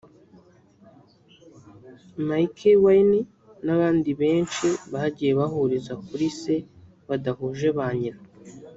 Mikie Wine n’abandi benshi bagiye bahuriza kuri se badahuje ba nyina